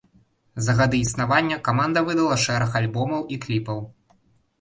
За гады існавання каманда выдала шэраг альбомаў і кліпаў.